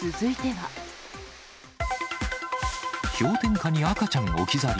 氷点下に赤ちゃん置き去り。